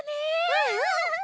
うんうん。